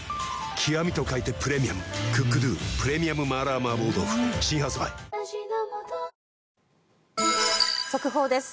極と書いてプレミアム「ＣｏｏｋＤｏ極麻辣麻婆豆腐」新発売速報です。